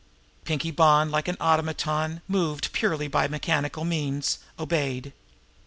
Pinkie Bonn, like an automaton moved purely by mechanical means, obeyed.